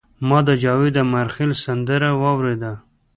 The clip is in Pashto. ما د جاوید امیرخیل سندره واوریده.